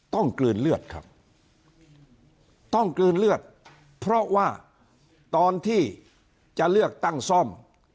กลืนเลือดครับต้องกลืนเลือดเพราะว่าตอนที่จะเลือกตั้งซ่อม